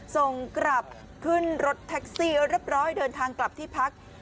ส่งกลับขึ้นรถแท็กซี่เรียบร้อยเดินทางกลับที่พัก